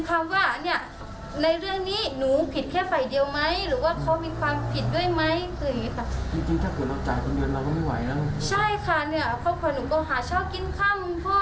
ถ้าเกิดวันนั้นพ่อเสียด้วยแล้วอะไรจะเกิดขึ้นล่ะค่ะ